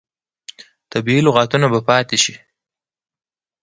طبیعي لغتونه به پاتې شي.